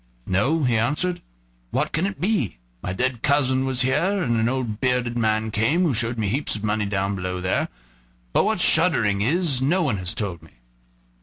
"No," he answered; "what can it be? My dead cousin was here, and an old bearded man came, who showed me heaps of money down below there, but what shuddering is no one has told me."